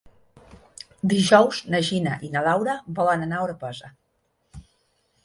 Dijous na Gina i na Laura volen anar a Orpesa.